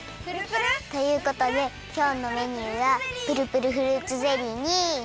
ということできょうのメニューはプルプルフルーツゼリーに。